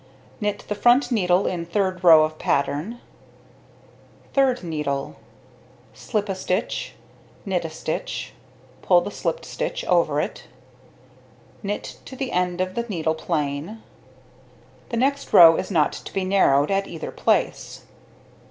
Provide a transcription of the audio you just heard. Knit the front needle in 3d row of pattern. Third needle: slip a stitch, knit a stitch, pull the slipped stitch over it, knit to the end of the needle plain. The next row is not to be narrowed at either place.